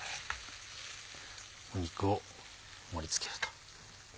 肉を盛り付けると。